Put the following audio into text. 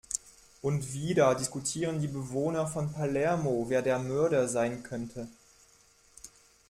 Und wieder diskutieren die Bewohner von Palermo, wer der Mörder sein könnte.